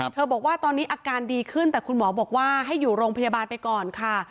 บอกว่าตอนนี้อาการดีขึ้นแต่คุณหมอบอกว่าให้อยู่โรงพยาบาลไปก่อนค่ะ